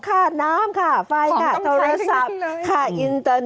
ค่าน้ำค่าไฟค่าโทรศัพท์ค่าอินเตอร์